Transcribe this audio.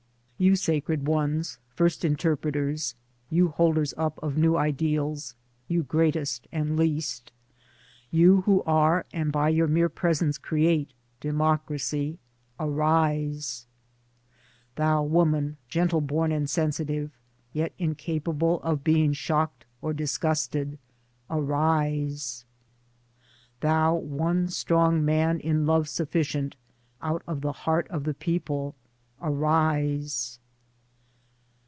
30 Towards Democracy You sacred ones, first interpreters, you holders up of new ideals, you greatest and least, You who are and by your mere presence create Demo cracy— Arise ! Thou Woman, gentleborn and sensitive, yet incapable of being shocked or disgusted — Arise ! Thou one strong Man in love sufficient, out of the heart of the people — Arise!